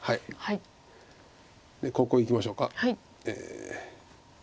でここいきましょうか。